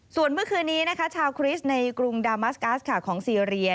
ส่วนเมื่อคืนนี้นะคะชาวคริสต์ในกรุงดามัสกัสของซีเรีย